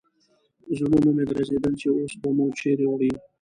زړونه مو درزېدل چې اوس به مو چیرې وړي.